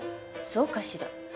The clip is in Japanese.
そうかしら。